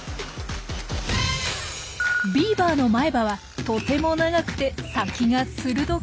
ビーバーの前歯はとても長くて先が鋭くとがっています。